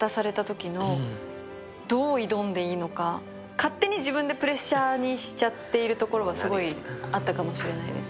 勝手に自分でプレッシャーにしちゃってるところは、すごいあったかもしれないです。